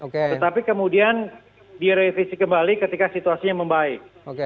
tetapi kemudian direvisi kembali ketika situasinya membaik